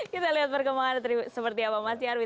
kita lihat perkembangan seperti apa mas nyarwi